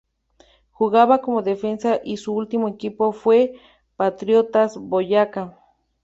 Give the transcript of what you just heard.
Jugaba como defensa y su último equipo fue Patriotas Boyacá.